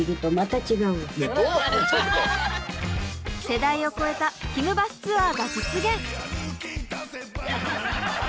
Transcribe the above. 世代を超えたひむバスツアーが実現。